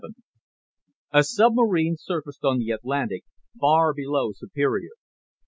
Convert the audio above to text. XI A submarine surfaced on the Atlantic, far below Superior.